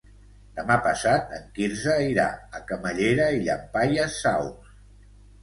Demà passat en Quirze irà a Camallera i Llampaies Saus.